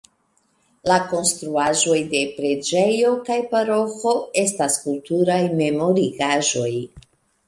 La konstruaĵoj de preĝejo kaj paroĥo estas kulturaj memorigaĵoj.